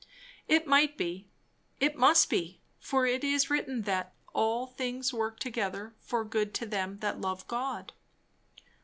It might be; it must be; for it is written that "all things work together for good to them that love God."